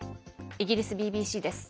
イギリスＢＢＣです。